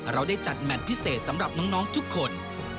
เราได้จัดแมทพิเศษสำหรับน้องทุกคน